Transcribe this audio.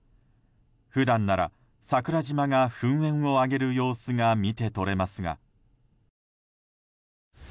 普段なら桜島が噴煙を上げる様子が見て取れますが。